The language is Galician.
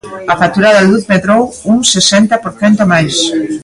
A factura da luz medrou un sesenta por cento máis.